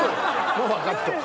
もうわかっとう。